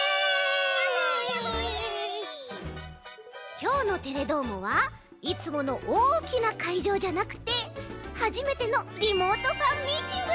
きょうの「テレどーも！」はいつものおおきなかいじょうじゃなくてはじめてのリモートファンミーティングだち！